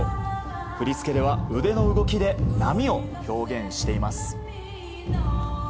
振り付けでは腕の動きで波を表現しています。